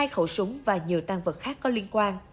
hai khẩu súng và nhiều tăng vật khác có liên quan